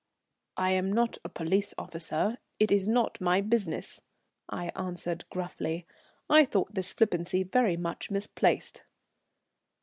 "I am not a police officer; it's not my business," I answered gruffly. I thought this flippancy very much misplaced.